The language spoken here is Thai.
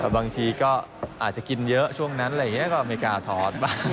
บางทีก็อาจจะกินเยอะช่วงนั้นอะไรอย่างนี้อย่างก็อเมริกาถอดไป